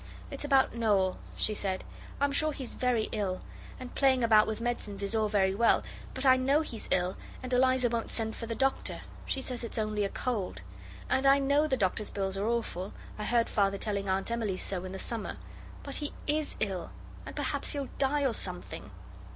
'It's about Noel,' she said. 'I'm sure he's very ill; and playing about with medicines is all very well, but I know he's ill, and Eliza won't send for the doctor: she says it's only a cold. And I know the doctor's bills are awful. I heard Father telling Aunt Emily so in the summer. But he is ill, and perhaps he'll die or something.